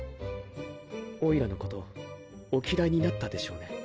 オイラのことお嫌いになったでしょうね。